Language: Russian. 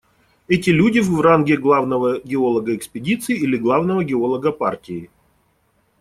Эти люди в ранге главного геолога экспедиции или главного геолога партии.